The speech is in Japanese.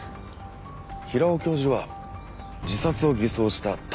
平尾教授は自殺を偽装した他殺でした。